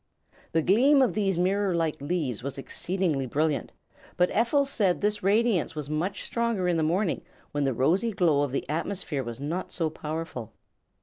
The gleam of these mirror like leaves was exceedingly brilliant, but Ephel said this radiance was much stronger in the morning, when the rosy glow of the atmosphere was not so powerful.